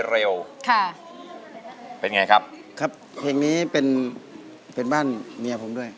แล้วก็ตอนจีบเขาก็ร้องเพลงนี้